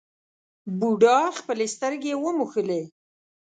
بوډا خپلې سترګې وموښلې.